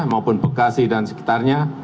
maupun bekasi dan sekitarnya